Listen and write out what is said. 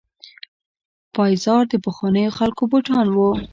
پایزار د پخوانیو خلکو بوټان وو.